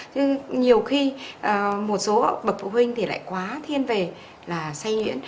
chứ nhiều khi một số bậc phụ huynh thì lại quá thiên về là say nhuyễn